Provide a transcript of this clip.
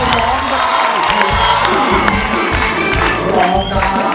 ร้องได้ให้ล้าน